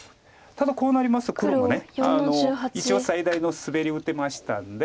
ただこうなりますと黒も一応最大のスベリ打てましたんで。